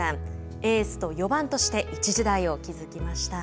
エースと４番として一時代を築きました。